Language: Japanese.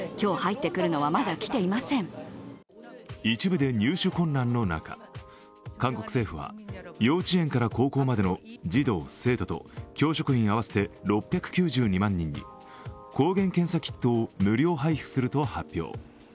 一部で入手困難の中、韓国政府は幼稚園から高校までの児童・生徒と教職員、合わせて６９２万人に抗原検査キットを無料配布すると発表。